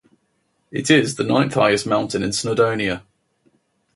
It is the ninth highest mountain in Snowdonia.